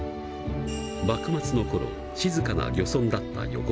幕末の頃静かな漁村だった横浜。